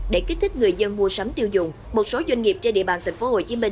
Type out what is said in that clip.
để kích thích người dân mua sắm tiêu dùng một số doanh nghiệp trên địa bàn tp hcm